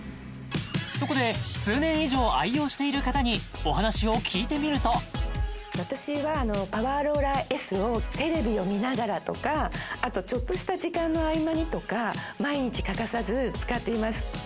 そこで数年以上愛用している方にお話を聞いてみると私はパワーローラーＳをテレビを見ながらとかあとちょっとした時間の合間にとか毎日欠かさず使っています